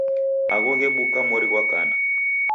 Agho ghebuka mori ghwa kana.